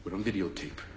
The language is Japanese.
テープは。